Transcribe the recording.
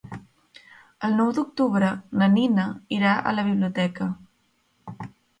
El nou d'octubre na Nina irà a la biblioteca.